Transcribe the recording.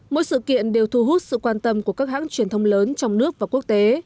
mỗi sự kiện đều thu hút sự quan tâm của các hãng truyền thông lớn trong nước và quốc tế